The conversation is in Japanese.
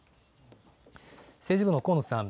政治部の高野さん